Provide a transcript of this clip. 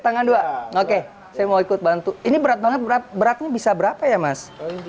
tangan dua oke saya mau ikut bantu ini berat banget beratnya bisa berapa ya mas